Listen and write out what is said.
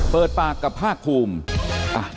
เปิดปากกับภาคภูมิ